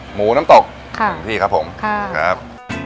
หมูน้ำตกค่ะขอบคุณพี่ครับผมครับ